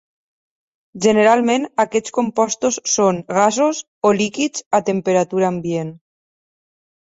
Generalment aquests compostos són gasos o líquids a temperatura ambient.